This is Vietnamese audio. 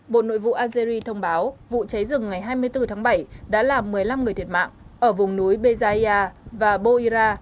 bộ nội vụ algeria thông báo vụ cháy rừng ngày hai mươi bốn tháng bảy đã làm một mươi năm người thiệt mạng ở vùng núi bezaya và boira